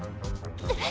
えっ！